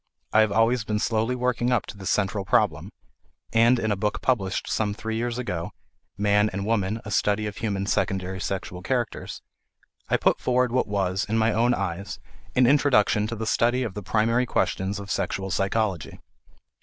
I have always been slowly working up to this central problem; and in a book published some three years ago Man and Woman: a Study of Human Secondary Sexual Characters I put forward what was, in my own eyes, an introduction to the study of the primary questions of sexual psychology.